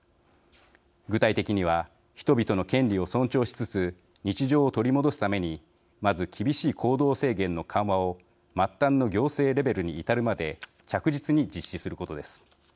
具体的には人々の権利を尊重しつつ日常を取り戻すためにまず、厳しい行動制限の緩和を末端の行政レベルに至るまで着実に実施することです。